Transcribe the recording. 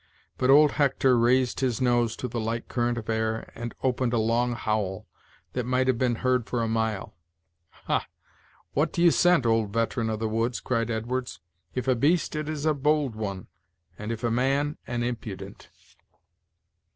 But old Hector raised his nose to the light current of air, and opened a long howl, that might have been heard for a mile. "Ha! what do you scent, old veteran of the woods?" cried Edwards. "If a beast, it is a bold one; and if a man, an impudent."